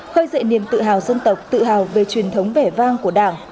khơi dậy niềm tự hào dân tộc tự hào về truyền thống vẻ vang của đảng